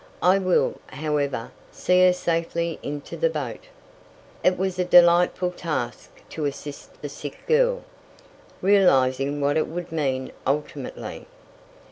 I will, however, see her safely into the boat." It was a delightful task to assist the sick girl, realizing what it would mean ultimately.